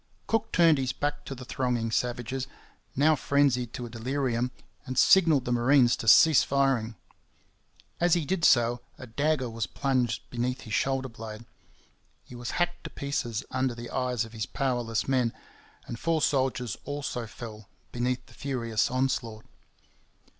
Cook turned his back to the thronging savages, now frenzied to a delirium, and signalled the marines to cease firing. As he did so, a dagger was plunged beneath his shoulder blade. He was hacked to pieces under the eyes of his powerless men; and four soldiers also fell beneath the furious onslaught.